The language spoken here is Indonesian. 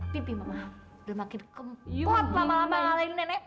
pipi mama udah makin kempot lama lama ngalahin nenek nenek